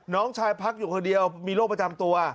น้องชายพักอยู่คนเดียวมีโรคประจำตัว